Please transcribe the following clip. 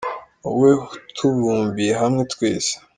Wowe utubumbiye hamwe twese